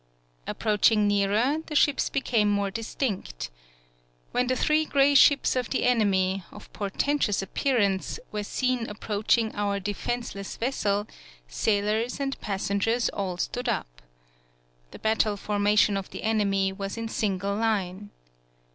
Ap proaching nearer, the ships became more distinct. When the three gray ships of the enemy, of portentous ap pearance, were seen approaching our defenseless vessel, sailors and passen gers all stood up. The battle formation of the enemy was in single line.